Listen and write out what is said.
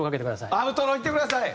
アウトロいってください！